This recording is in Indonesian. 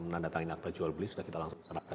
menandatangani apa jual beli sudah kita langsung serahkan